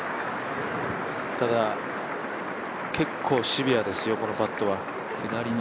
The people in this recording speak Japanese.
ただ結構シビアですよ、このパットは。